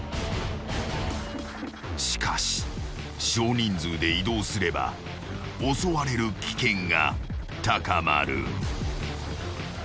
［しかし少人数で移動すれば襲われる危険が高まる］